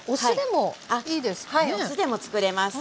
お酢でもつくれます。